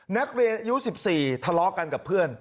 นักเรียนอายุ๑๔ทะเลาะกันกับเพื่อน